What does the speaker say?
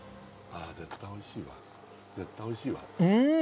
ああ絶対おいしいわ絶対おいしいわうん！